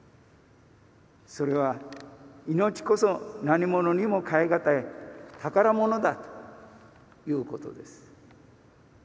それは「命こそ何物にも代えがたい宝物だ」ということです。